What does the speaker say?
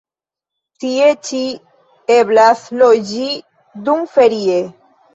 Tie ĉi eblas loĝi dumferie.